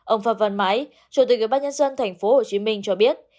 ông phạm văn mãi chủ tịch ủy ban nhân dân tp hcm cho biết